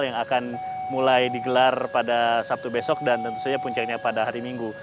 yang akan mulai digelar pada sabtu besok dan tentu saja puncaknya pada hari minggu